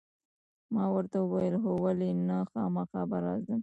ما ورته وویل: هو، ولې نه، خامخا به راځم.